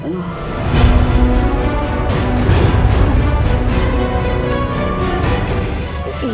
ibu nggak merasa punya anak retno